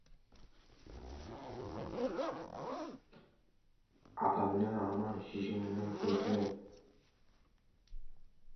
«Bunday sifatli ko‘mir hech qayerda yo‘q». Shavkat Mirziyoyev Sharg‘un koniga bordi